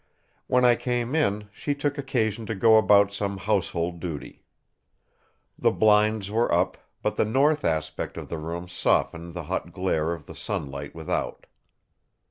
When I came in, she took occasion to go about some household duty. The blinds were up, but the north aspect of the room softened the hot glare of the sunlight without.